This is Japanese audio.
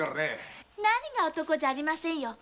何が男じゃありませんよ！